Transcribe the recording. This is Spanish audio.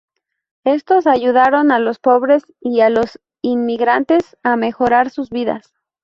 Estos ayudaron a los pobres y a los inmigrantes a mejorar sus vidas.